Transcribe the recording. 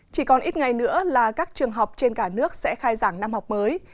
chỉ còn ít ngày nữa là các trường học trên cả nước sẽ khai giảng năm học mới